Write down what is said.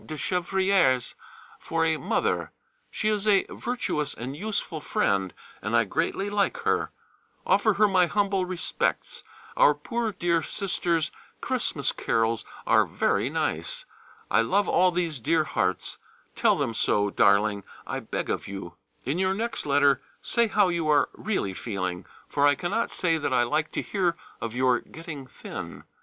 de Chevrières for a mother;[A] she is a virtuous and useful friend and I greatly like her: offer her my humble respects. Our poor dear Sisters' Christmas carols are very nice. I love all these dear hearts: tell them so, darling, I beg of you.... In your next letter say how you are really feeling, for I cannot say that I like to hear of your getting thin.